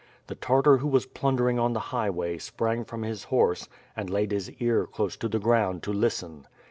The Tartar who was plundering on the highway, sprang from his horse and laid his ear close to the ground to listen.